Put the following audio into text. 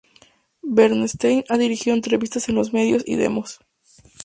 Bernstein ha dirigido entrevistas en los medios y demos.